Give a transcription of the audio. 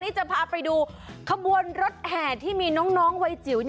นี่จะพาไปดูขบวนรถแห่ที่มีน้องวัยจิ๋ว